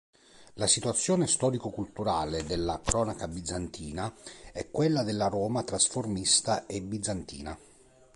La situazione storico-culturale della "Cronaca Bizantina" è quella della Roma trasformista e bizantina.